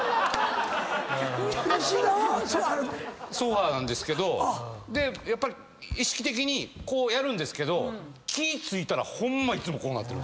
ソファなんですけどやっぱり意識的にこうやるんですけど気ぃ付いたらホンマいつもこうなってる。